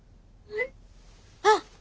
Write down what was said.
あっ！